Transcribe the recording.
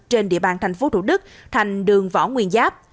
trên địa bàn tp thủ đức thành đường võ nguyên giáp